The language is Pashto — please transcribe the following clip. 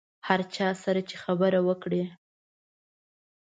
هر چا سره چې خبره وکړې.